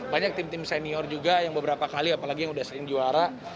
banyak tim tim senior juga yang beberapa kali apalagi yang sudah sering juara